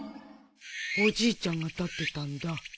おじいちゃんが立ってたんだ。